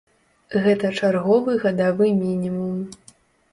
Гэта чарговы гадавы мінімум.